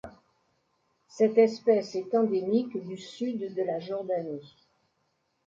Cette espèce est endémique du Sud de la Jordanie.